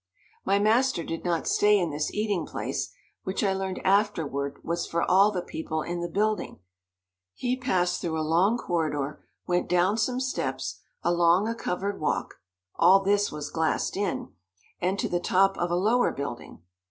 My master did not stay in this eating place, which I learned afterward was for all the people in the building. He passed through a long corridor, went down some steps, along a covered walk all this was glassed in and to the top of a lower building.